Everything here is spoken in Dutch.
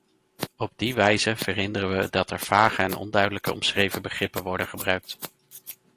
Op die wijze verhinderen we dat er vage en onduidelijk omschreven begrippen worden gebruikt.